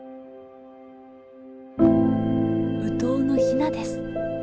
ウトウのヒナです。